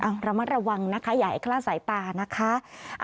เอาระมัดระวังนะคะอย่าให้คลาดสายตานะคะ